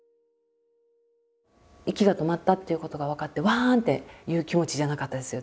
息が止まったっていうことが分かってわん！っていう気持ちじゃなかったですよ